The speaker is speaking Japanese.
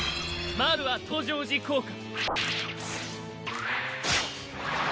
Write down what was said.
まずは登場時効果。